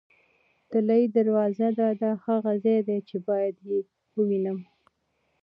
طلایي دروازه ده، دا هغه ځای دی چې باید یې ووینم.